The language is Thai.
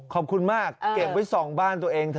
ขอบคุณมากเกร่งไปส่องบ้านตัวเองเถอะ